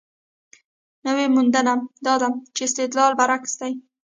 نوې موندنه دا ده چې استدلال برعکس دی.